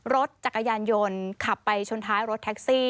รถจักรยานยนต์ขับไปชนท้ายรถแท็กซี่